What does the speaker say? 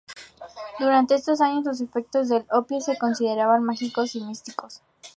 Durante estos años los efectos del opio se consideraban mágicos o místicos.